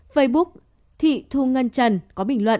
facebook thị thu ngân trần có bình luận